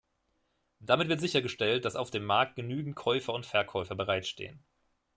Damit wird sichergestellt, dass auf dem Markt genügend Käufer und Verkäufer bereitstehen.